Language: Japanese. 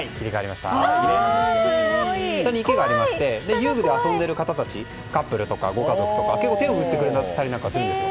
下に池がありまして遊具で遊んでいる方たちカップルとかご家族とか結構手を振ってくれたりなんかするんですよ。